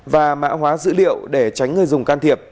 và mã hóa dữ liệu để tránh